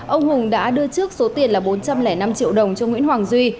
ông hùng đã đưa trước số tiền là bốn trăm linh năm triệu đồng cho nguyễn hoàng duy